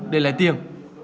để lấy tiền